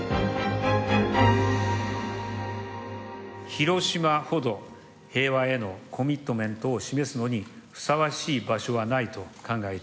広島ほど平和へのコミットメントを示すのにふさわしい場所はないと考えています。